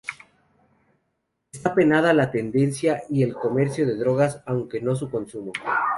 Está penada la tenencia y el comercio de drogas, aunque no su consumo.